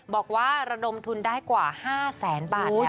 บอกว่าระดมทุนได้กว่า๕แสนบาทค่ะ